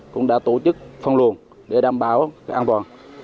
cũng đã tổ chức phân luồn để đảm bảo an toàn